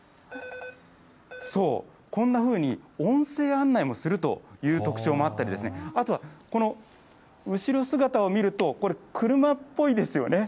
そう、こんなふうに音声案内もするという特徴もあったりですね、あとはこの後姿を見ると、これ、車っぽいですよね。